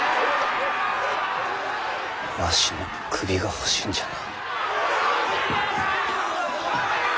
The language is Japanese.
わしの首が欲しいんじゃな。